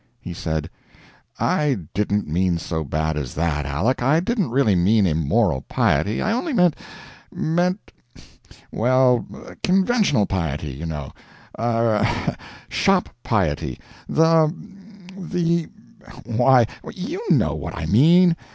He said: "I didn't mean so bad as that, Aleck; I didn't really mean immoral piety, I only meant meant well, conventional piety, you know; er shop piety; the the why, _you _know what I mean.